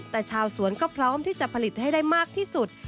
แต่ชาวสวนก็พร้อมที่จะผลิตให้ได้มากที่สุด